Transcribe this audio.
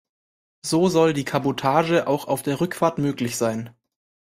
So soll die Kabotage auch auf der Rückfahrt möglich sein.